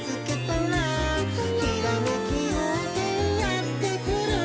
「ひらめきようせいやってくる」